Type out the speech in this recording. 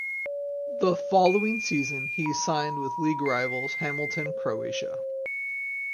The following season he signed with league rivals Hamilton Croatia.